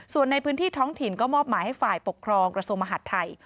ส่วนในพื้นที่ท้องถิ่นก็มอบหมายให้ฝ่ายปกครองกระทรวงมหาดไทย